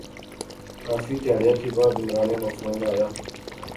کافی تہاڑیا تھی بعدعمرانے ناں فون آیا